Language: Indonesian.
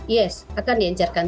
yes akan diencerkan